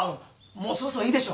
もうそろそろいいでしょう。